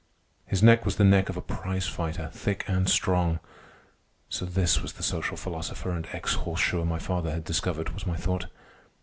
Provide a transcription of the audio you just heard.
His neck was the neck of a prize fighter, thick and strong. So this was the social philosopher and ex horseshoer my father had discovered, was my thought.